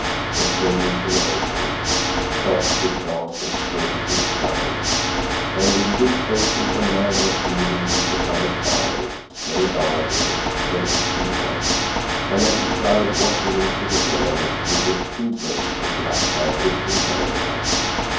They came into an open, soft with grass and strewn with flowers, and in this open a man was kneeling beside a fire no larger than his two hands, and at his side, watching him, stood a girl with two braids of black hair rippling down her back.